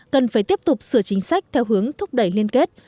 cần phải tiếp tục sửa chính sách theo hướng thúc đẩy liên kết